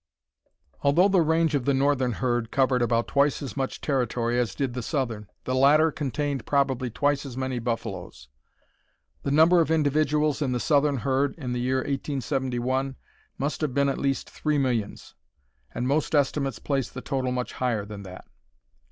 Although the range of the northern herd covered about twice as much territory as did the southern, the latter contained probably twice as many buffaloes. The number of individuals in the southern herd in the year 1871 must have been at least three millions, and most estimates place the total much higher than that.